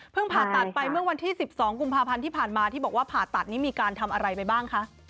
ผ่าตัดไปเมื่อวันที่๑๒กุมภาพันธ์ที่ผ่านมาที่บอกว่าผ่าตัดนี่มีการทำอะไรไปบ้างคะ